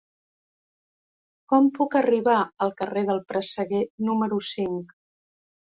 Com puc arribar al carrer del Presseguer número cinc?